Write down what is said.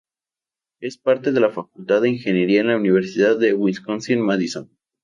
Es parte de la Facultad de Ingeniería en la Universidad de Wisconsin-Madison.